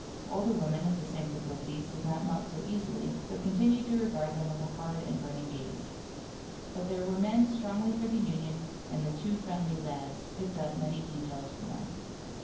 Older women of the same proclivities did not melt so easily, but continued to regard them with a hard and burning gaze. But there were men strongly for the Union, and the two friendly lads picked up many details from them.